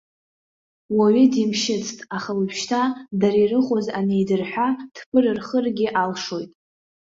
Уаҩы димшьыцт, аха уажәшьҭа, дара ирыхәоз анидырҳәа, дԥырырхыргьы алшоит!